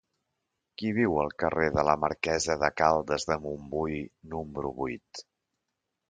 Qui viu al carrer de la Marquesa de Caldes de Montbui número vuit?